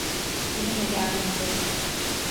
Benimle gelmen gerek.